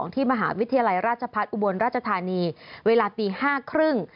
ที่มหาวิทยาลัยราชพัฒน์อุบลราชธานีเวลาตี๕๓๐